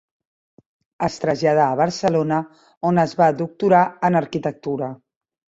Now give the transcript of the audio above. Es traslladà a Barcelona on es va doctorar en arquitectura.